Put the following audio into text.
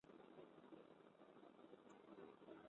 এখানে ক্রমান্বয়ে নতুন সন্ন্যাসী তৈরি হতে শুরু করে।